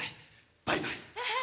バイバイ！